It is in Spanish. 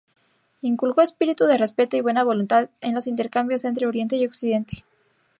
Inculcó espíritu de respeto y buena voluntad en los intercambios entre Oriente y Occidente.